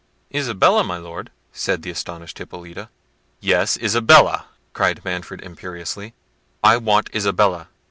"Isabella! my Lord!" said the astonished Hippolita. "Yes, Isabella," cried Manfred imperiously; "I want Isabella."